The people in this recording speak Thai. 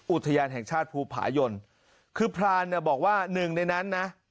อุทยานแห่งชาติภูผายนคือพรานบอกว่า๑ในนั้นนะ